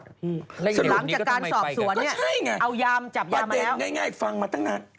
หลังจากการสอบสวนนี่เอายามจับยามมาแล้ว